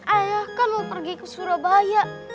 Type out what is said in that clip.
ayah kan mau pergi ke surabaya